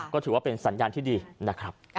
ก็ถือว่าเป็นสัญญาณที่ดีนะครับ